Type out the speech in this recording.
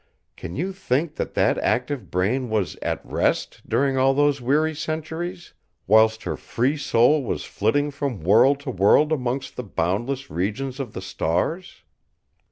Can you think that that active brain was at rest during all those weary centuries, whilst her free soul was flitting from world to world amongst the boundless regions of the stars?